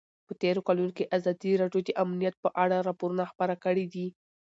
په تېرو کلونو کې ازادي راډیو د امنیت په اړه راپورونه خپاره کړي دي.